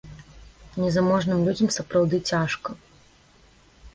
Незаможным людзям сапраўды цяжка.